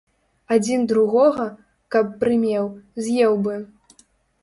Адзін другога, каб прымеў, з'еў бы.